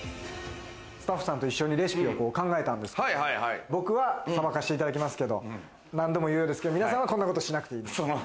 スタッフさんと一緒にレシピを考えたんですけれど、僕は、さばかしていただきますけど、皆さんは、こんなことしなくていい。